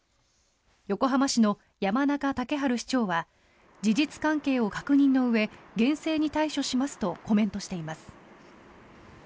横浜市の山中竹春市長は事実関係を確認のうえ厳正に対処しますとコメントしています。